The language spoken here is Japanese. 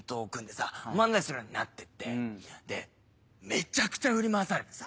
めちゃくちゃ振り回されてさ。